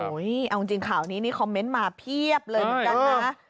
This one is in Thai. เอาจริงข่าวนี้นี่คอมเมนต์มาเพียบเลยเหมือนกันนะ